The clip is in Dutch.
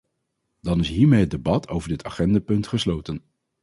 Dan is hiermee het debat over dit agendapunt gesloten.